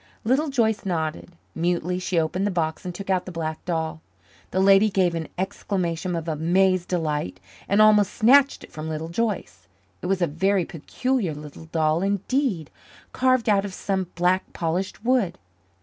Little Joyce nodded. Mutely she opened the box and took out the black doll. The lady gave an exclamation of amazed delight and almost snatched it from Little Joyce. It was a very peculiar little doll indeed, carved out of some black polished wood.